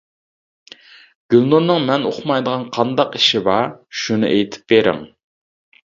گۈلنۇرنىڭ مەن ئۇقمايدىغان قانداق ئىشى بار شۇنى ئېيتىپ بىرىڭ.